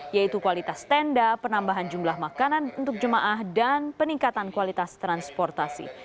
yaitu kualitas tenda penambahan jumlah makanan untuk jemaah dan peningkatan kualitas transportasi